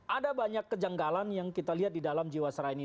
ada banyak kejanggalan yang kita lihat di dalam jiwasra ini